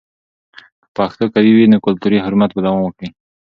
که پښتو قوي وي، نو کلتوري حرمت به دوام وکړي.